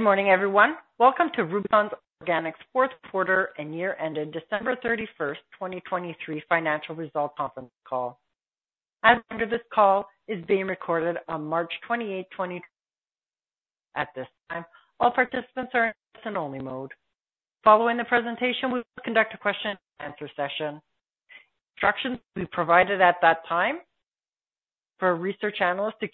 Good morning, everyone. Welcome to Rubicon Organics' Q4 and year-end December 31st, 2023, financial results conference call. This call is being recorded on March 28, 2024. At this time, all participants are in listen-only mode. Following the presentation, we will conduct a question-and-answer session. Instructions will be provided at that time for research analysts to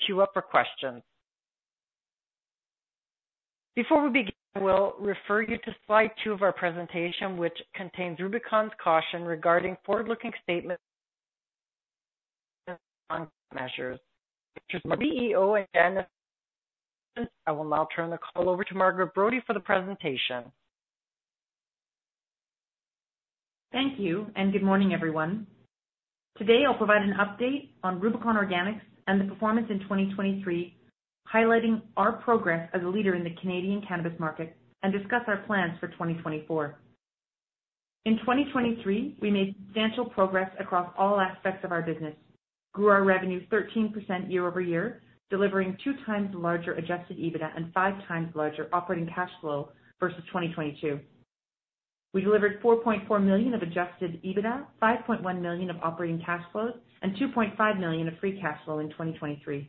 queue up for questions. Before we begin, I will refer you to slide two of our presentation, which contains Rubicon's caution regarding forward-looking statements and measures. Margaret Brodie, CEO, and Janis Risbin. I will now turn the call over to Margaret Brodie for the presentation. Thank you, and good morning, everyone. Today, I'll provide an update on Rubicon Organics and the performance in 2023, highlighting our progress as a leader in the Canadian cannabis market and discuss our plans for 2024. In 2023, we made substantial progress across all aspects of our business, grew our revenue 13% year-over-year, delivering 2x larger adjusted EBITDA and 5x larger operating cash flow versus 2022. We delivered 4.4 million of Adjusted EBITDA, 5.1 million of operating cash flows, and 2.5 million of free cash flow in 2023.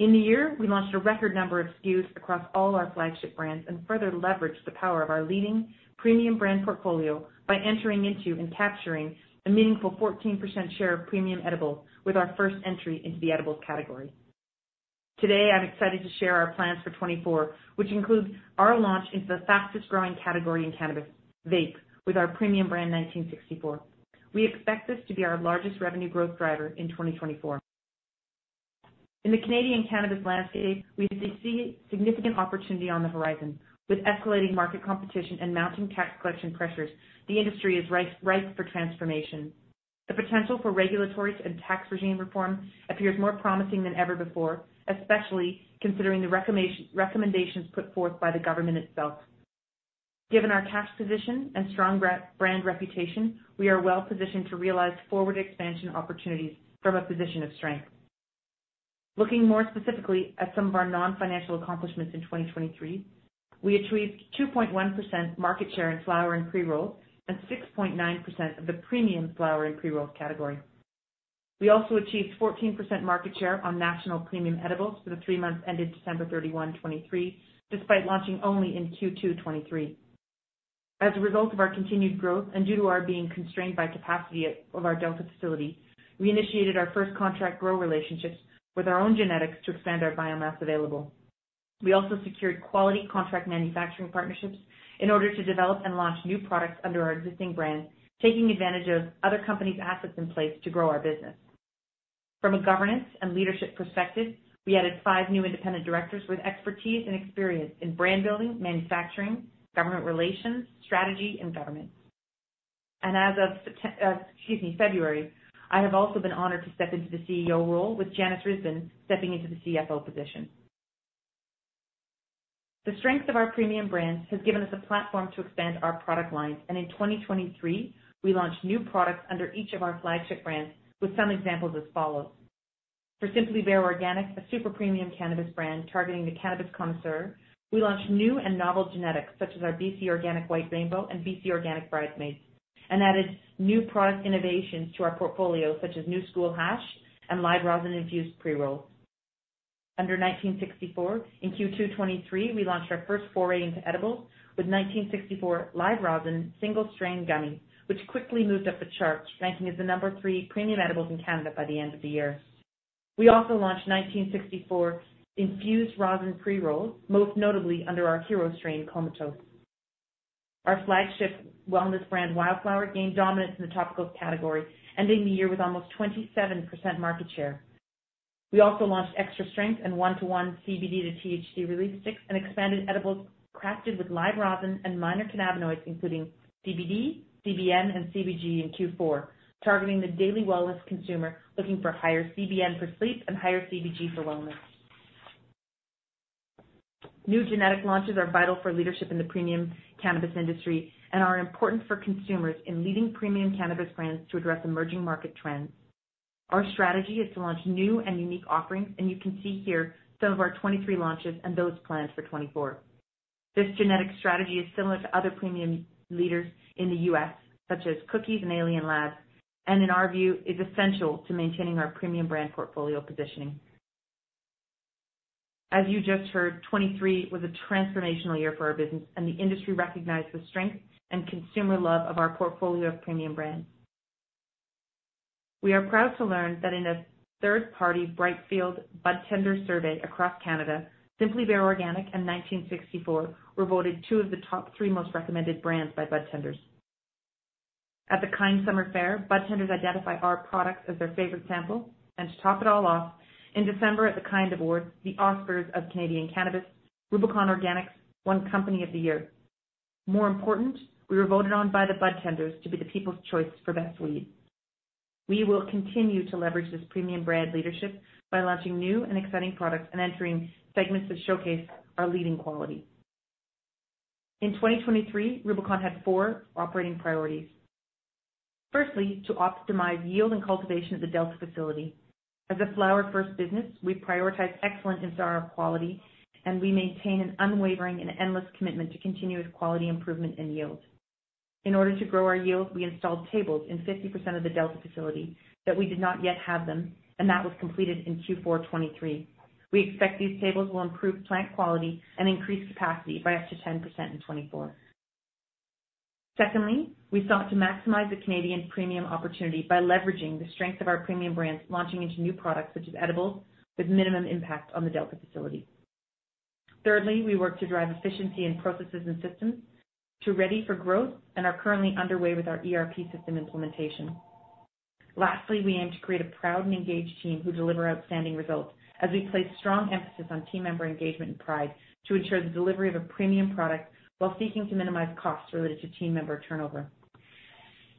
In the year, we launched a record number of SKUs across all our flagship brands and further leveraged the power of our leading premium brand portfolio by entering into and capturing a meaningful 14% share of premium edibles with our first entry into the edibles category. Today, I'm excited to share our plans for 2024, which include our launch into the fastest-growing category in cannabis, vape, with our premium brand 1964. We expect this to be our largest revenue growth driver in 2024. In the Canadian cannabis landscape, we see significant opportunity on the horizon. With escalating market competition and mounting tax collection pressures, the industry is ripe for transformation. The potential for regulatory and tax regime reform appears more promising than ever before, especially considering the recommendations put forth by the government itself. Given our cash position and strong brand reputation, we are well-positioned to realize forward expansion opportunities from a position of strength. Looking more specifically at some of our non-financial accomplishments in 2023, we achieved 2.1% market share in flower and pre-rolls and 6.9% of the premium flower and pre-rolls category. We also achieved 14% market share on national premium edibles for the three months ended December 31, 2023, despite launching only in Q2 2023. As a result of our continued growth and due to our being constrained by capacity of our Delta facility, we initiated our first contract grow relationships with our own genetics to expand our biomass available. We also secured quality contract manufacturing partnerships in order to develop and launch new products under our existing brand, taking advantage of other companies' assets in place to grow our business. From a governance and leadership perspective, we added five new independent directors with expertise and experience in brand building, manufacturing, government relations, strategy, and governance. And as of September, excuse me, February, I have also been honored to step into the CEO role with Janis Risbin stepping into the CFO position. The strength of our premium brands has given us a platform to expand our product lines, and in 2023, we launched new products under each of our flagship brands, with some examples as follows. For Simply Bare Organic, a super premium cannabis brand targeting the cannabis connoisseur, we launched new and novel genetics such as our BC Organic White Rainbow and BC Organic Bridesmaid, and added new product innovations to our portfolio such as New School Hash and Live Rosin-infused pre-rolls. Under 1964, in Q2 2023, we launched our first foray into edibles with 1964 Live Rosin Single Strain Gummy, which quickly moved up the charts, ranking as the number 3 premium edibles in Canada by the end of the year. We also launched 1964 Infused Rosin pre-rolls, most notably under our Hero Strain Comatose. Our flagship wellness brand, Wildflower, gained dominance in the topicals category, ending the year with almost 27% market share. We also launched Extra Strength and 1:1 CBD to THC relief sticks and expanded edibles crafted with Live Rosin and minor cannabinoids, including CBD, CBN, and CBG, in Q4, targeting the daily wellness consumer looking for higher CBN for sleep and higher CBG for wellness. New genetic launches are vital for leadership in the premium cannabis industry and are important for consumers in leading premium cannabis brands to address emerging market trends. Our strategy is to launch new and unique offerings, and you can see here some of our 23 launches and those planned for 2024. This genetic strategy is similar to other premium leaders in the U.S., such as Cookies and Alien Labs, and, in our view, is essential to maintaining our premium brand portfolio positioning. As you just heard, 2023 was a transformational year for our business, and the industry recognized the strength and consumer love of our portfolio of premium brands. We are proud to learn that in a third-party Brightfield budtender survey across Canada, Simply Bare Organic and 1964 were voted two of the top three most recommended brands by budtenders. At the KIND Summer Fair, budtenders identify our products as their favorite sample. And to top it all off, in December at the KIND Awards, the Oscars of Canadian cannabis, Rubicon Organics won Company of the Year. More important, we were voted on by the budtenders to be the people's choice for best weed. We will continue to leverage this premium brand leadership by launching new and exciting products and entering segments that showcase our leading quality. In 2023, Rubicon had four operating priorities. Firstly, to optimize yield and cultivation at the Delta facility. As a flower-first business, we prioritize excellent sensory quality, and we maintain an unwavering and endless commitment to continuous quality improvement and yield. In order to grow our yield, we installed tables in 50% of the Delta facility that we did not yet have them, and that was completed in Q4 2023. We expect these tables will improve plant quality and increase capacity by up to 10% in 2024. Secondly, we sought to maximize the Canadian premium opportunity by leveraging the strength of our premium brands, launching into new products such as edibles with minimum impact on the Delta facility. Thirdly, we worked to drive efficiency in processes and systems to ready for growth and are currently underway with our ERP system implementation. Lastly, we aim to create a proud and engaged team who deliver outstanding results as we place strong emphasis on team member engagement and pride to ensure the delivery of a premium product while seeking to minimize costs related to team member turnover.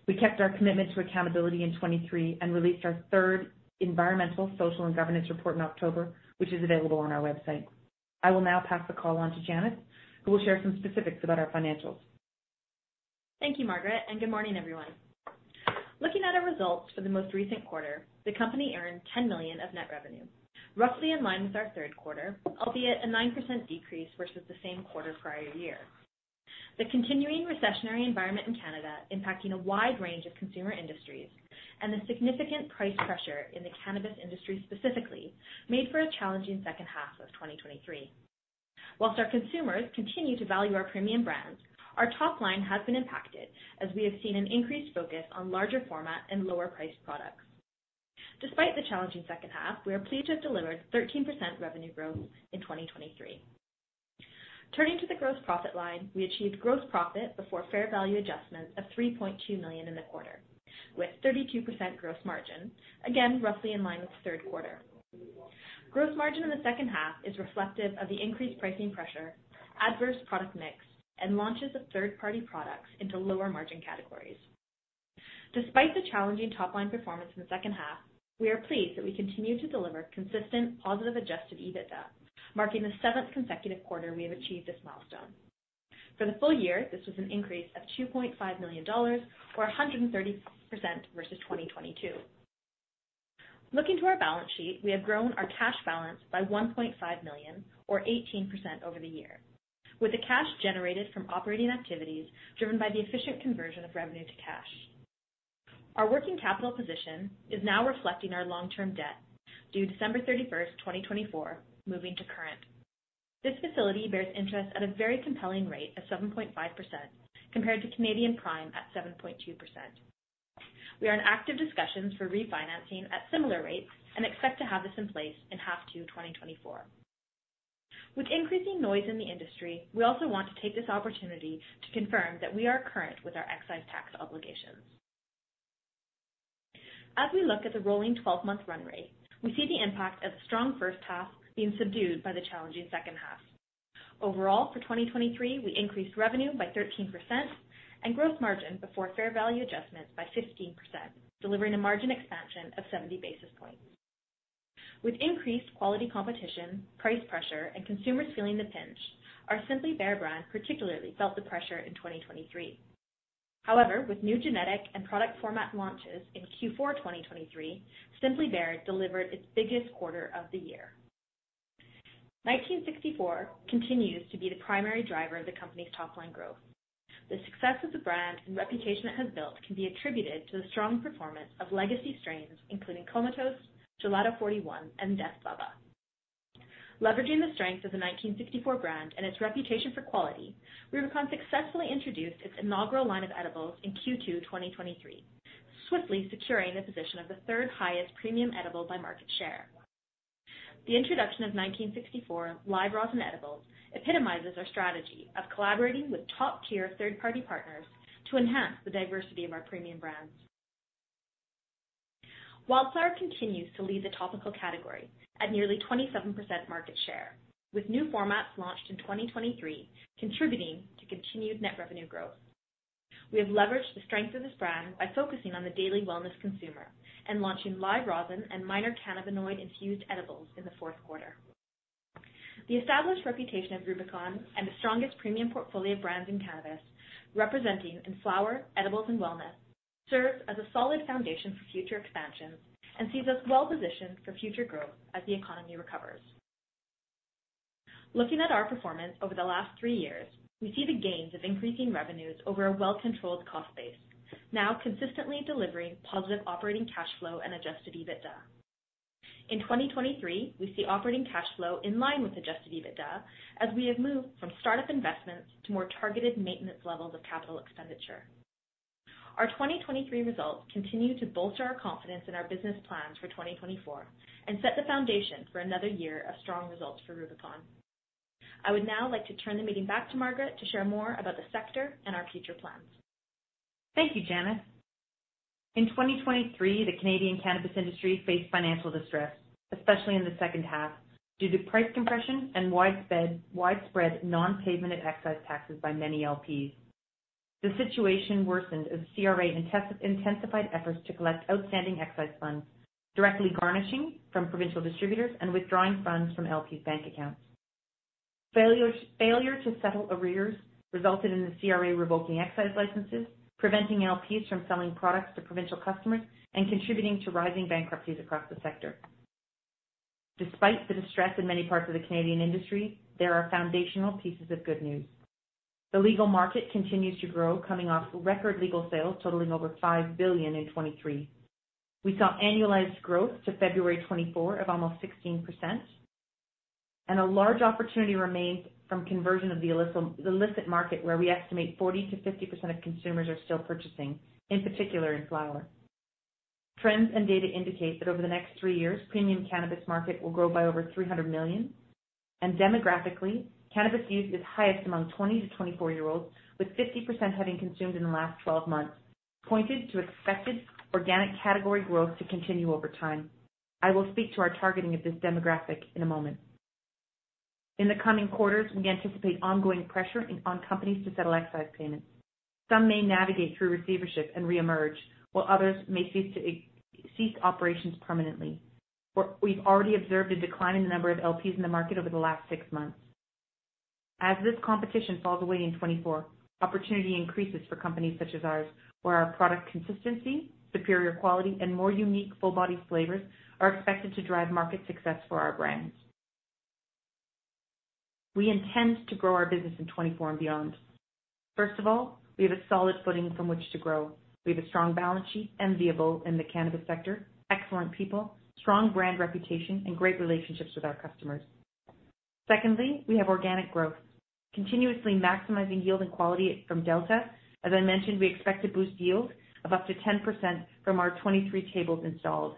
We kept our commitment to accountability in 2023 and released our third environmental, social, and governance report in October, which is available on our website. I will now pass the call on to Janis, who will share some specifics about our financials. Thank you, Margaret, and good morning, everyone. Looking at our results for the most recent quarter, the company earned 10 million of net revenue, roughly in line with our Q3, albeit a 9% decrease versus the same quarter prior year. The continuing recessionary environment in Canada, impacting a wide range of consumer industries, and the significant price pressure in the cannabis industry specifically made for a challenging second half of 2023. While our consumers continue to value our premium brands, our top line has been impacted as we have seen an increased focus on larger format and lower-priced products. Despite the challenging second half, we are pleased to have delivered 13% revenue growth in 2023. Turning to the gross profit line, we achieved gross profit before fair value adjustments of 3.2 million in the quarter, with 32% gross margin, again roughly in line with the Q3. Gross margin in the second half is reflective of the increased pricing pressure, adverse product mix, and launches of third-party products into lower-margin categories. Despite the challenging top line performance in the second half, we are pleased that we continue to deliver consistent positive Adjusted EBITDA, marking the seventh consecutive quarter we have achieved this milestone. For the full year, this was an increase of 2.5 million dollars, or 130% versus 2022. Looking to our balance sheet, we have grown our cash balance by 1.5 million, or 18% over the year, with the cash generated from operating activities driven by the efficient conversion of revenue to cash. Our working capital position is now reflecting our long-term debt due December 31st, 2024, moving to current. This facility bears interest at a very compelling rate of 7.5% compared to Canadian Prime at 7.2%. We are in active discussions for refinancing at similar rates and expect to have this in place in H2 2024. With increasing noise in the industry, we also want to take this opportunity to confirm that we are current with our excise tax obligations. As we look at the rolling 12-month run rate, we see the impact of a strong first half being subdued by the challenging second half. Overall, for 2023, we increased revenue by 13% and gross margin before fair value adjustments by 15%, delivering a margin expansion of 70 basis points. With increased quality competition, price pressure, and consumers feeling the pinch, our Simply Bare brand particularly felt the pressure in 2023. However, with new genetic and product format launches in Q4 2023, Simply Bare delivered its biggest quarter of the year. 1964 continues to be the primary driver of the company's top line growth. The success of the brand and reputation it has built can be attributed to the strong performance of legacy strains, including Comatose, Gelato 41, and Death Bubba. Leveraging the strength of the 1964 brand and its reputation for quality, Rubicon successfully introduced its inaugural line of edibles in Q2 2023, swiftly securing the position of the third-highest premium edible by market share. The introduction of 1964 Live Rosin edibles epitomizes our strategy of collaborating with top-tier third-party partners to enhance the diversity of our premium brands. Wildflower continues to lead the topical category at nearly 27% market share, with new formats launched in 2023 contributing to continued net revenue growth. We have leveraged the strength of this brand by focusing on the daily wellness consumer and launching Live Rosin and minor cannabinoid-infused edibles in the Q4. The established reputation of Rubicon and the strongest premium portfolio of brands in cannabis, representing in flower, edibles, and wellness, serves as a solid foundation for future expansions and sees us well-positioned for future growth as the economy recovers. Looking at our performance over the last three years, we see the gains of increasing revenues over a well-controlled cost base, now consistently delivering positive operating cash flow and adjusted EBITDA. In 2023, we see operating cash flow in line with adjusted EBITDA as we have moved from startup investments to more targeted maintenance levels of capital expenditure. Our 2023 results continue to bolster our confidence in our business plans for 2024 and set the foundation for another year of strong results for Rubicon. I would now like to turn the meeting back to Margaret to share more about the sector and our future plans. Thank you, Janis. In 2023, the Canadian cannabis industry faced financial distress, especially in the second half, due to price compression and widespread non-payment of excise taxes by many LPs. The situation worsened as the CRA intensified efforts to collect outstanding excise funds, directly garnishing from provincial distributors and withdrawing funds from LPs' bank accounts. Failure to settle arrears resulted in the CRA revoking excise licenses, preventing LPs from selling products to provincial customers, and contributing to rising bankruptcies across the sector. Despite the distress in many parts of the Canadian industry, there are foundational pieces of good news. The legal market continues to grow, coming off record legal sales totaling over 5 billion in 2023. We saw annualized growth to February 2024 of almost 16%, and a large opportunity remains from conversion of the illicit market, where we estimate 40%-50% of consumers are still purchasing, in particular in flower. Trends and data indicate that over the next 3 years, the premium cannabis market will grow by over 300 million. Demographically, cannabis use is highest among 20-24-year-olds, with 50% having consumed in the last 12 months, pointing to expected organic category growth to continue over time. I will speak to our targeting of this demographic in a moment. In the coming quarters, we anticipate ongoing pressure on companies to settle excise payments. Some may navigate through receivership and reemerge, while others may cease operations permanently. We've already observed a decline in the number of LPs in the market over the last 6 months. As this competition falls away in 2024, opportunity increases for companies such as ours, where our product consistency, superior quality, and more unique full-body flavors are expected to drive market success for our brands. We intend to grow our business in 2024 and beyond. First of all, we have a solid footing from which to grow. We have a strong balance sheet and vehicle in the cannabis sector, excellent people, strong brand reputation, and great relationships with our customers. Secondly, we have organic growth, continuously maximizing yield and quality from Delta. As I mentioned, we expect to boost yield of up to 10% from our 23 tables installed.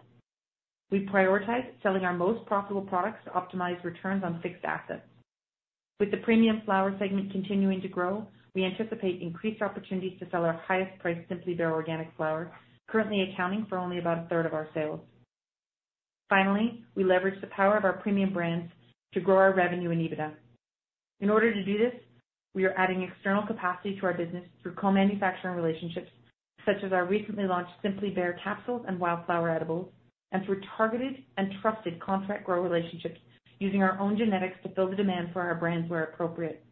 We prioritize selling our most profitable products to optimize returns on fixed assets. With the premium flower segment continuing to grow, we anticipate increased opportunities to sell our highest-priced Simply Bare organic flower, currently accounting for only about a third of our sales. Finally, we leverage the power of our premium brands to grow our revenue and EBITDA. In order to do this, we are adding external capacity to our business through co-manufacturing relationships, such as our recently launched Simply Bare capsules and Wildflower edibles, and through targeted and trusted contract grower relationships using our own genetics to fill the demand for our brands where appropriate.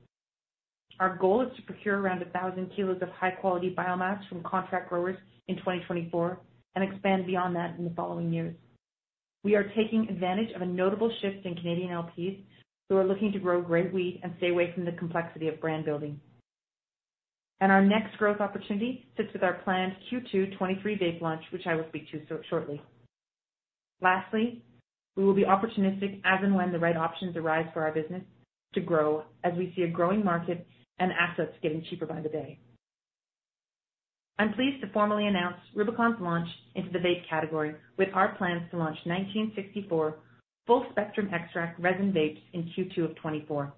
Our goal is to procure around 1,000 kilos of high-quality biomass from contract growers in 2024 and expand beyond that in the following years. We are taking advantage of a notable shift in Canadian LPs who are looking to grow great weed and stay away from the complexity of brand building. Our next growth opportunity sits with our planned Q2 2023 vape launch, which I will speak to shortly. Lastly, we will be opportunistic as and when the right options arise for our business to grow as we see a growing market and assets getting cheaper by the day. I'm pleased to formally announce Rubicon's launch into the vape category with our plans to launch 1964 full-spectrum extract resin vapes in Q2 of 2024.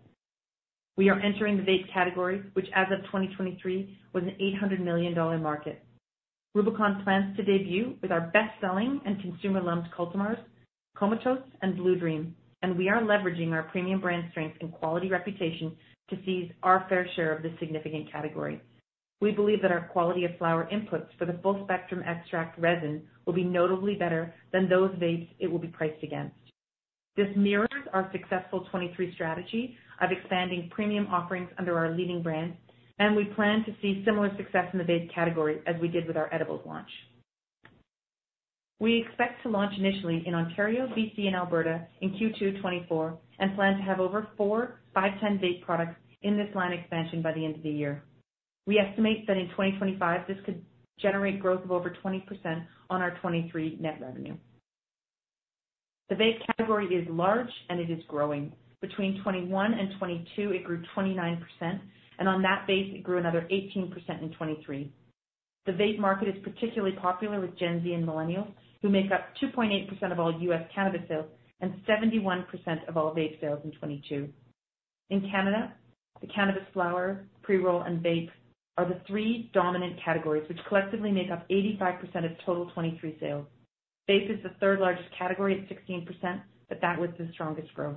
We are entering the vape category, which as of 2023 was a 800 million dollar market. Rubicon plans to debut with our best-selling and consumer-loved cultivars, Comatose and Blue Dream, and we are leveraging our premium brand strength and quality reputation to seize our fair share of this significant category. We believe that our quality of flower inputs for the full-spectrum extract resin will be notably better than those vapes it will be priced against. This mirrors our successful 2023 strategy of expanding premium offerings under our leading brands, and we plan to see similar success in the vape category as we did with our edibles launch. We expect to launch initially in Ontario, BC, and Alberta in Q2 2024 and plan to have over four 510 vape products in this line expansion by the end of the year. We estimate that in 2025, this could generate growth of over 20% on our 2023 net revenue. The vape category is large, and it is growing. Between 2021 and 2022, it grew 29%, and on that base, it grew another 18% in 2023. The vape market is particularly popular with Gen Z and millennials who make up 2.8% of all U.S. cannabis sales and 71% of all vape sales in 2022. In Canada, the cannabis, flower, pre-roll, and vape are the three dominant categories, which collectively make up 85% of total 2023 sales. Vape is the third-largest category at 16%, but that with the strongest growth.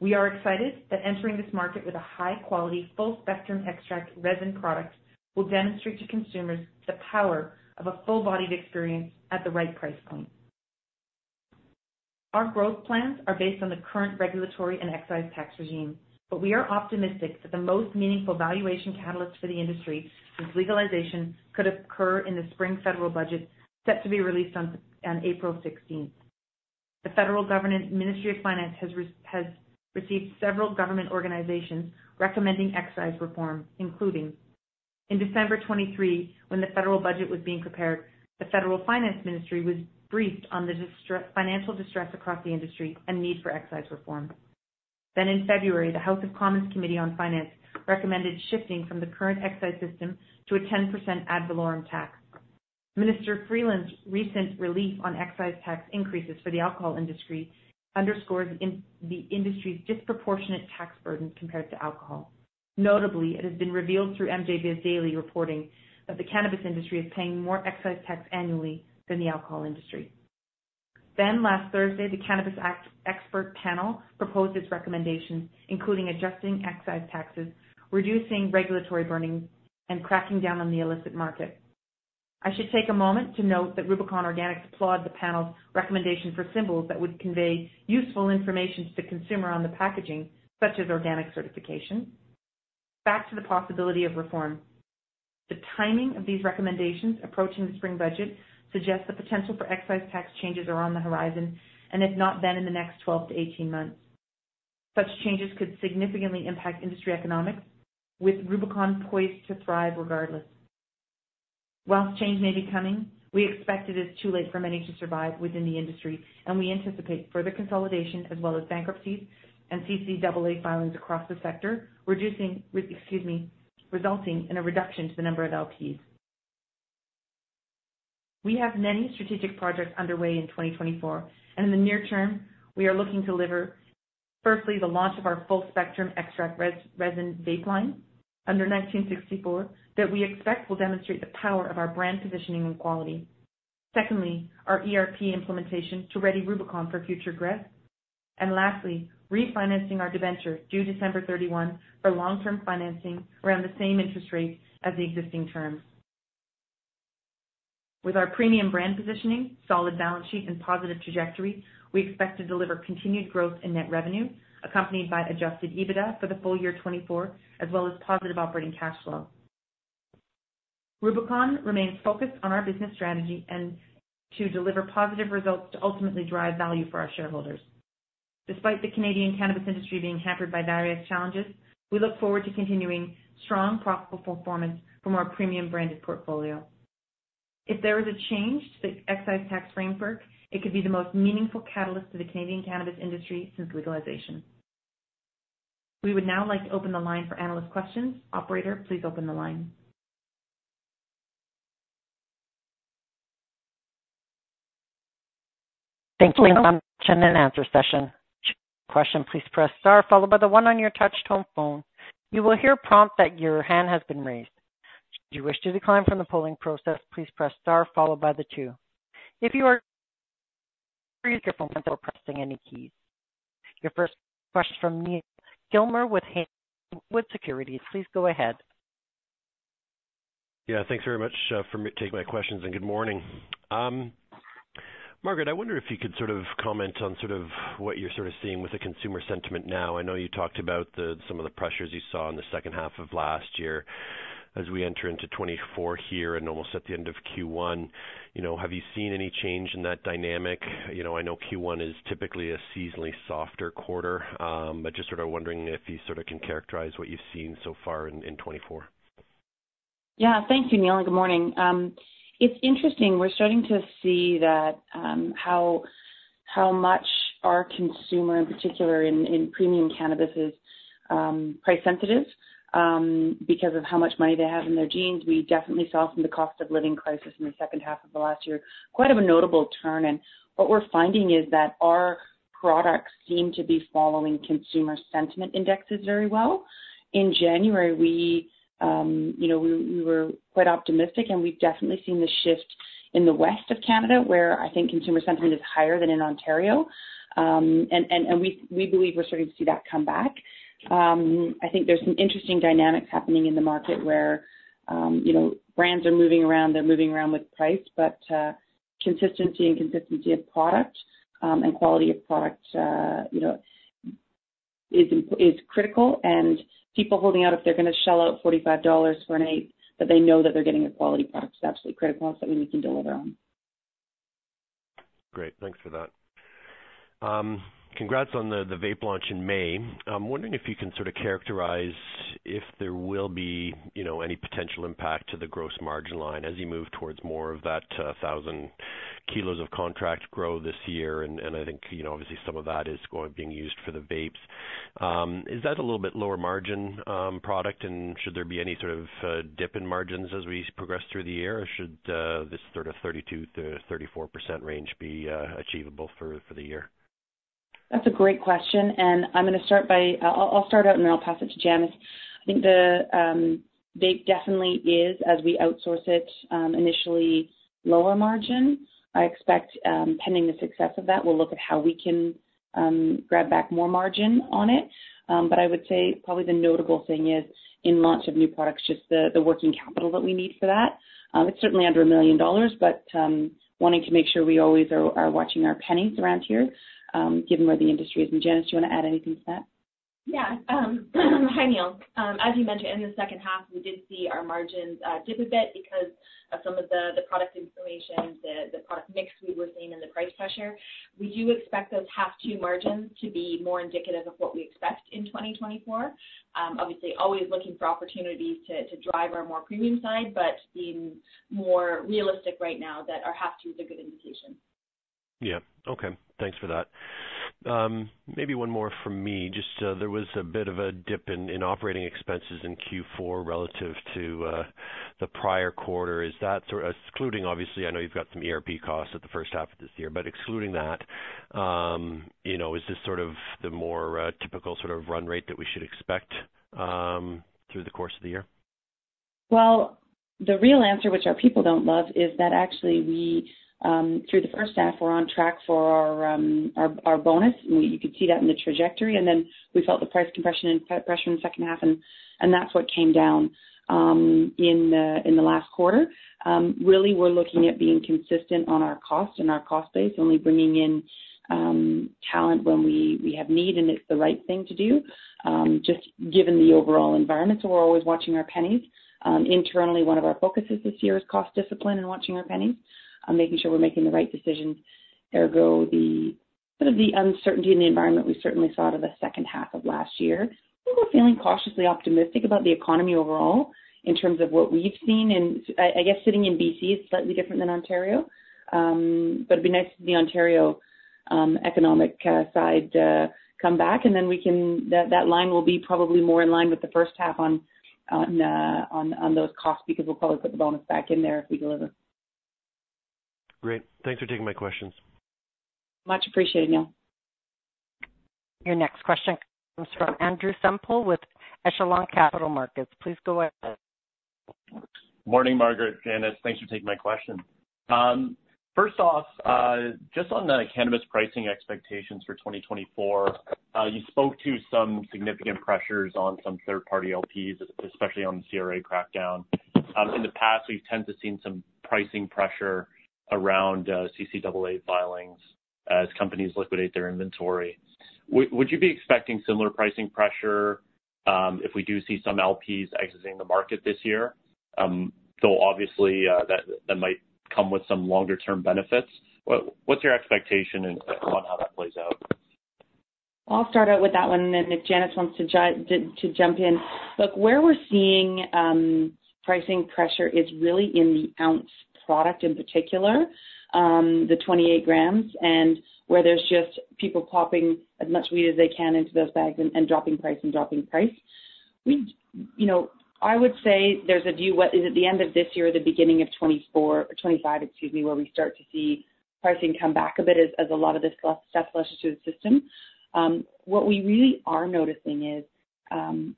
We are excited that entering this market with a high-quality full-spectrum extract resin product will demonstrate to consumers the power of a full-bodied experience at the right price point. Our growth plans are based on the current regulatory and excise tax regime, but we are optimistic that the most meaningful valuation catalyst for the industry, which legalization could occur in the spring federal budget set to be released on April 16th. The federal government Ministry of Finance has received several government organizations recommending excise reform, including. In December 2023, when the federal budget was being prepared, the Federal Finance Ministry was briefed on the financial distress across the industry and need for excise reform. Then in February, the House of Commons Committee on Finance recommended shifting from the current excise system to a 10% ad valorem tax. Minister Freeland's recent relief on excise tax increases for the alcohol industry underscores the industry's disproportionate tax burden compared to alcohol. Notably, it has been revealed through MJBizDaily's reporting that the cannabis industry is paying more excise tax annually than the alcohol industry. Last Thursday, the Cannabis Act Expert Panel proposed its recommendations, including adjusting excise taxes, reducing regulatory burden, and cracking down on the illicit market. I should take a moment to note that Rubicon Organics applaud the panel's recommendation for symbols that would convey useful information to the consumer on the packaging, such as organic certification. Back to the possibility of reform. The timing of these recommendations approaching the spring budget suggests the potential for excise tax changes are on the horizon, and if not then, in the next 12-18 months. Such changes could significantly impact industry economics, with Rubicon poised to thrive regardless. While change may be coming, we expect it is too late for many to survive within the industry, and we anticipate further consolidation as well as bankruptcies and CCAA filings across the sector, resulting in a reduction to the number of LPs. We have many strategic projects underway in 2024, and in the near term, we are looking to deliver, firstly, the launch of our full-spectrum extract resin vape line under 1964 that we expect will demonstrate the power of our brand positioning and quality. Secondly, our ERP implementation to ready Rubicon for future growth. And lastly, refinancing our debenture due December 31 for long-term financing around the same interest rate as the existing terms. With our premium brand positioning, solid balance sheet, and positive trajectory, we expect to deliver continued growth in net revenue accompanied by Adjusted EBITDA for the full year 2024 as well as positive operating cash flow. Rubicon remains focused on our business strategy and to deliver positive results to ultimately drive value for our shareholders. Despite the Canadian cannabis industry being hampered by various challenges, we look forward to continuing strong, profitable performance from our premium branded portfolio. If there is a change to the excise tax framework, it could be the most meaningful catalyst to the Canadian cannabis industry since legalization. We would now like to open the line for analyst questions. Operator, please open the line. Thanks, Margaret. Question, please press star, followed by the one on your touch-tone phone. You will hear a prompt that your hand has been raised. Should you wish to decline from the polling process, please press star, followed by the two. If you are please use your phone without pressing any keys. Your first question from Neal Gilmer with Haywood Securities. Please go ahead. Yeah, thanks very much for taking my questions, and good morning. Margaret, I wonder if you could sort of comment on sort of what you're sort of seeing with the consumer sentiment now. I know you talked about some of the pressures you saw in the second half of last year as we enter into 2024 here and almost at the end of Q1. Have you seen any change in that dynamic? I know Q1 is typically a seasonally softer quarter, but just sort of wondering if you sort of can characterize what you've seen so far in 2024. Yeah, thank you, Neal. Good morning. It's interesting. We're starting to see how much our consumer, in particular in premium cannabis, is price-sensitive because of how much money they have in their jeans. We definitely saw from the cost of living crisis in the second half of the last year quite a notable turn. And what we're finding is that our products seem to be following consumer sentiment indexes very well. In January, we were quite optimistic, and we've definitely seen the shift in the west of Canada, where I think consumer sentiment is higher than in Ontario. And we believe we're starting to see that come back. I think there's some interesting dynamics happening in the market where brands are moving around. They're moving around with price, but consistency and consistency of product and quality of product is critical. People holding out if they're going to shell out 45 dollars for an eighth, but they know that they're getting a quality product, it's absolutely critical. That's something we can deliver on. Great. Thanks for that. Congrats on the vape launch in May. I'm wondering if you can sort of characterize if there will be any potential impact to the gross margin line as you move towards more of that 1,000 kilos of contract grow this year. And I think, obviously, some of that is being used for the vapes. Is that a little bit lower margin product, and should there be any sort of dip in margins as we progress through the year, or should this sort of 32%-34% range be achievable for the year? That's a great question, and I'm going to start out, and then I'll pass it to Janis. I think the vape definitely is, as we outsource it, initially lower margin. I expect, pending the success of that, we'll look at how we can grab back more margin on it. But I would say probably the notable thing is, in launch of new products, just the working capital that we need for that. It's certainly under 1 million dollars, but wanting to make sure we always are watching our pennies around here, given where the industry is. And Janis, do you want to add anything to that? Yeah. Hi, Neal. As you mentioned, in the second half, we did see our margins dip a bit because of some of the product information, the product mix we were seeing, and the price pressure. We do expect those H2 margins to be more indicative of what we expect in 2024. Obviously, always looking for opportunities to drive our more premium side, but being more realistic right now that our H2 is a good indication. Yeah. Okay. Thanks for that. Maybe one more from me. Just there was a bit of a dip in operating expenses in Q4 relative to the prior quarter. Excluding, obviously, I know you've got some ERP costs at the first half of this year, but excluding that, is this sort of the more typical sort of run rate that we should expect through the course of the year? Well, the real answer, which our people don't love, is that actually, through the first half, we're on track for our bonus. You could see that in the trajectory. And then we felt the price compression in the second half, and that's what came down in the last quarter. Really, we're looking at being consistent on our cost and our cost base, only bringing in talent when we have need, and it's the right thing to do, just given the overall environment. So we're always watching our pennies. Internally, one of our focuses this year is cost discipline and watching our pennies, making sure we're making the right decisions, ergo sort of the uncertainty in the environment we certainly saw to the second half of last year. I think we're feeling cautiously optimistic about the economy overall in terms of what we've seen. I guess sitting in BC is slightly different than Ontario, but it'd be nice to see the Ontario economic side come back, and then we can that line will be probably more in line with the first half on those costs because we'll probably put the bonus back in there if we deliver. Great. Thanks for taking my questions. Much appreciated, Neal. Your next question comes from Andrew Semple with Echelon Capital Markets. Please go ahead. Morning, Margaret. Janis, thanks for taking my question. First off, just on the cannabis pricing expectations for 2024, you spoke to some significant pressures on some third-party LPs, especially on the CRA crackdown. In the past, we've tended to see some pricing pressure around CCAA filings as companies liquidate their inventory. Would you be expecting similar pricing pressure if we do see some LPs exiting the market this year? Though, obviously, that might come with some longer-term benefits. What's your expectation on how that plays out? I'll start out with that one, and then if Janis wants to jump in. Look, where we're seeing pricing pressure is really in the ounce product in particular, the 28 grams, and where there's just people popping as much weed as they can into those bags and dropping price and dropping price. I would say there's a view: is it the end of this year or the beginning of 2024 or 2025, excuse me, where we start to see pricing come back a bit as a lot of this stuff flushes through the system? What we really are noticing is,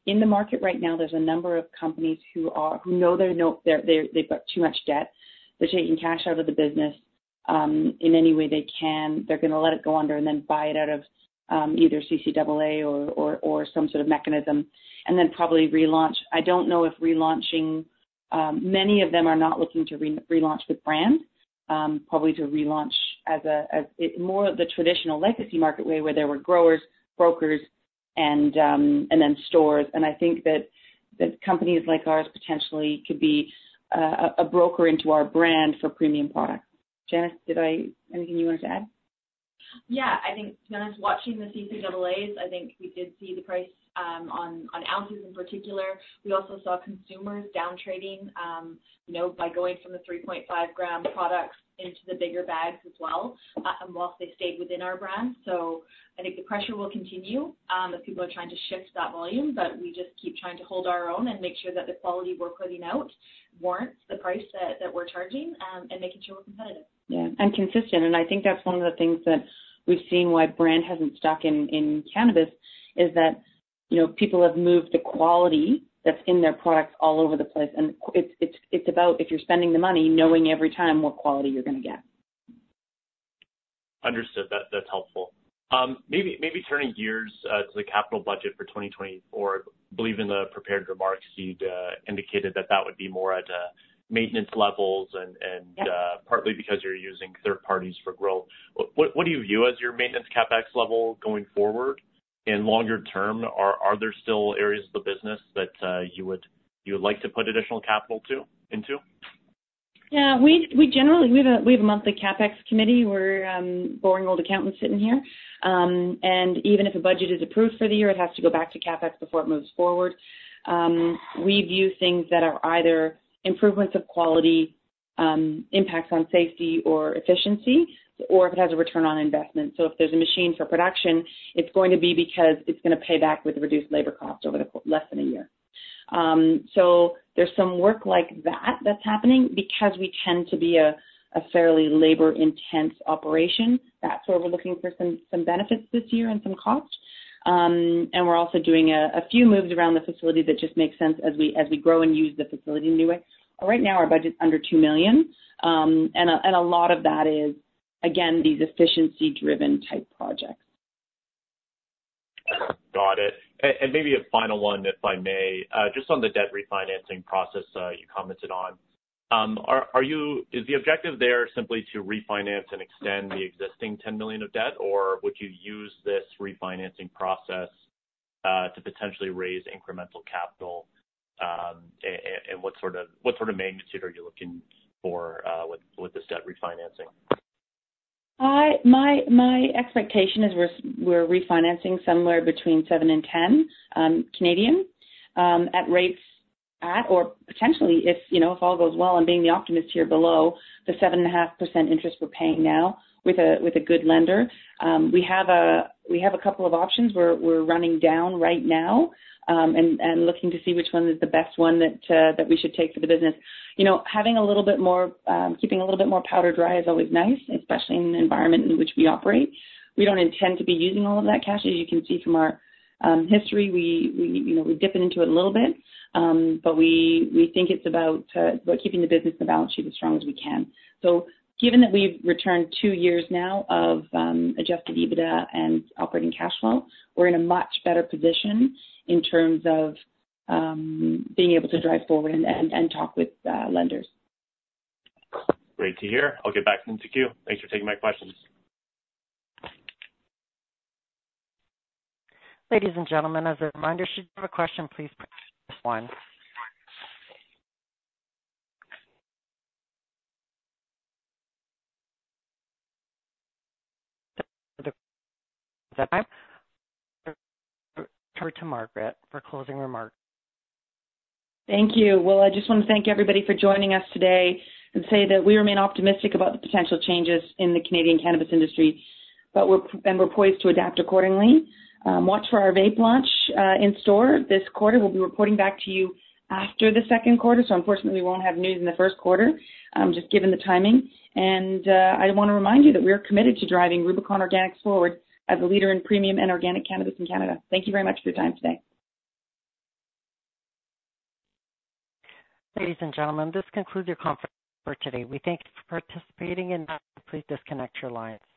in the market right now, there's a number of companies who know they've got too much debt. They're taking cash out of the business in any way they can. They're going to let it go under and then buy it out of either CCAA or some sort of mechanism and then probably relaunch. I don't know if relaunching many of them are not looking to relaunch the brand, probably to relaunch as more of the traditional legacy market way where there were growers, brokers, and then stores. I think that companies like ours potentially could be a broker into our brand for premium products. Janis, anything you wanted to add? Yeah. I think, Janis, watching the CCAAs, I think we did see the price on ounces in particular. We also saw consumers downtrading by going from the 3.5-gram products into the bigger bags as well while they stayed within our brand. So I think the pressure will continue as people are trying to shift that volume, but we just keep trying to hold our own and make sure that the quality we're putting out warrants the price that we're charging and making sure we're competitive. Yeah, and consistent. I think that's one of the things that we've seen why brand hasn't stuck in cannabis is that people have moved the quality that's in their products all over the place. It's about, if you're spending the money, knowing every time what quality you're going to get. Understood. That's helpful. Maybe turning gears to the capital budget for 2024. I believe in the prepared remarks, you'd indicated that that would be more at maintenance levels and partly because you're using third parties for growth. What do you view as your maintenance CapEx level going forward? And longer term, are there still areas of the business that you would like to put additional capital into? Yeah. We have a monthly CapEx committee. We're boring old accountants sitting here. Even if a budget is approved for the year, it has to go back to CapEx before it moves forward. We view things that are either improvements of quality, impacts on safety or efficiency, or if it has a return on investment. So if there's a machine for production, it's going to be because it's going to pay back with reduced labor costs over less than a year. So there's some work like that that's happening because we tend to be a fairly labor-intense operation. That's where we're looking for some benefits this year and some costs. We're also doing a few moves around the facility that just makes sense as we grow and use the facility in a new way. Right now, our budget's under 2 million, and a lot of that is, again, these efficiency-driven type projects. Got it. And maybe a final one, if I may. Just on the debt refinancing process you commented on, is the objective there simply to refinance and extend the existing 10 million of debt, or would you use this refinancing process to potentially raise incremental capital? And what sort of magnitude are you looking for with this debt refinancing? My expectation is we're refinancing somewhere between 7 million and 10 million at rates at or potentially, if all goes well and being the optimist here, below the 7.5% interest we're paying now with a good lender. We have a couple of options. We're running down right now and looking to see which one is the best one that we should take for the business. Having a little bit more keeping a little bit more powder dry is always nice, especially in the environment in which we operate. We don't intend to be using all of that cash. As you can see from our history, we dip into it a little bit, but we think it's about keeping the business in the balance sheet as strong as we can. Given that we've returned two years now of Adjusted EBITDA and operating cash flow, we're in a much better position in terms of being able to drive forward and talk with lenders. Great to hear. I'll get back into queue. Thanks for taking my questions. Ladies and gentlemen, as a reminder, should you have a question, please press one. Is that time? Turn to Margaret for closing remarks. Thank you. Well, I just want to thank everybody for joining us today and say that we remain optimistic about the potential changes in the Canadian cannabis industry and we're poised to adapt accordingly. Watch for our vape launch in store this quarter. We'll be reporting back to you after the Q2. So unfortunately, we won't have news in the Q1, just given the timing. I want to remind you that we are committed to driving Rubicon Organics forward as a leader in premium and organic cannabis in Canada. Thank you very much for your time today. Ladies and gentlemen, this concludes our conference for today. We thank you for participating, and please disconnect your lines.